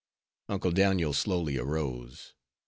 Uncle Daniel slowly arose.